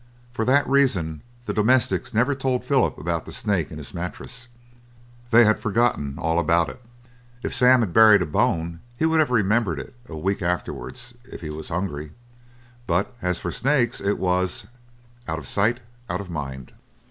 For that reason the domestics never told Philip about the snake in his mattress, they had forgotten all about it. If Sam had buried a bone, he would have remembered it a week afterwards, if he was hungry; but as for snakes, it was, "out of sight, out of mind."